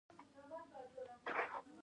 ما وې پوسټ به پرې وليکم